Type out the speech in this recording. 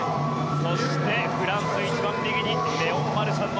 そして、フランス一番右にレオン・マルシャン。